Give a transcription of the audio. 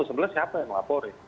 sebenarnya siapa yang lapor ya